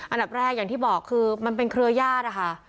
อันดับแรกอย่างที่บอกคือมันเป็นเครือญาตินะคะ